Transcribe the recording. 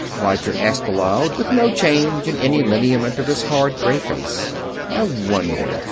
Roger asked aloud, with no change in any lineament of his hard, gray face. "I wonder